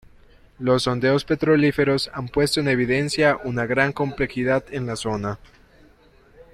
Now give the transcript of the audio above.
Los sondeos petrolíferos han puesto en evidencia una gran complejidad en la zona.